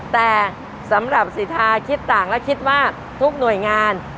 แต่สำหรับสิทธาคิดต่างและคิดว่าทุกหน่วยงาน